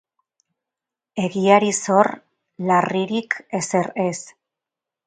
Egiari zor, larririk ezer ez.